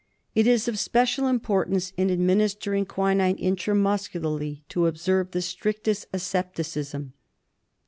It is of special importance in administering quinine igS TREATMENT OF intramuscularly to observe the strictest asepticism.